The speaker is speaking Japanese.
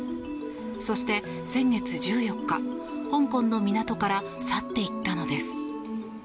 そして、先月１４日香港の港から去っていったのです。